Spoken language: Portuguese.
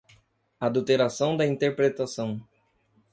Adulteração da interpretação